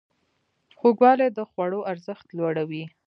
خوږوالی د خوړو ارزښت لوړوي.